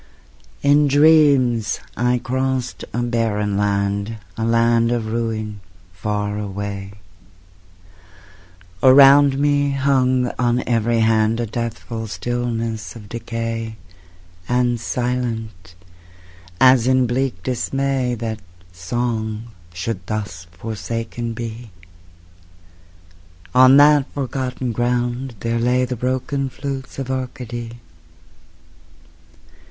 In dreams I crossed a barren land, A land of ruin, far away; Around me hung on every hand A deathful stillness of decay; And silent, as in bleak dismay That song should thus forsaken be, On that forgotten ground there lay The broken flutes of Arcady.